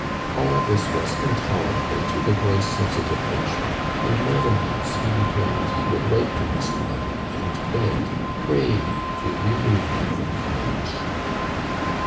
All this was intolcM able to the boy's scdisitive nature, and more than once he deteiniined he would write to his father and beg— pray him to remove him from college.